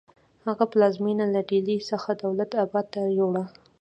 هغه پلازمینه له ډیلي څخه دولت اباد ته یوړه.